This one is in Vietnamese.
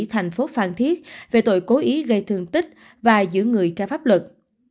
thành phố phan thiết về tội cố ý gây thường tích và giữ người tra pháp luật